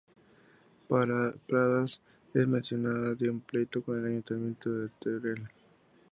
Pradas es mencionada en un pleito con el ayuntamiento de Teruel.